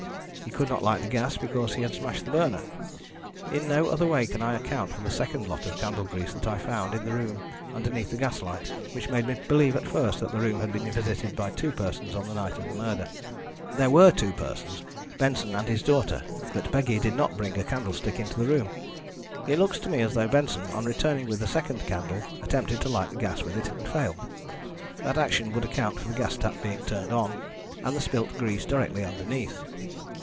He could not light the gas, because he had smashed the burner. In no other way can I account for the second lot of candle grease that I found in the room underneath the gas light, which made me believe at first that the room had been visited by two persons on the night of the murder. There were two persons, Benson and his daughter, but Peggy did not bring a candlestick into the room. It looks to me as though Benson, on returning with the second candle, attempted to light the gas with it and failed. That action would account for the gas tap being turned on, and the spilt grease directly underneath.